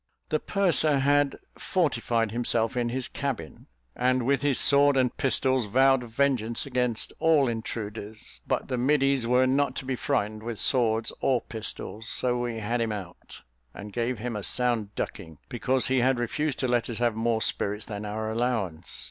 The purser had fortified himself in his cabin, and with his sword and pistols, vowed vengeance against all intruders; but the middies were not to be frightened with swords or pistols: so we had him out, and gave him a sound ducking, because he had refused to let us have more spirits than our allowance.